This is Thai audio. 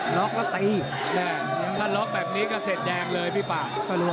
ล็อกแล้วตีถ้าล็อกแบบนี้ก็เสร็จแดงเลยพี่ป่า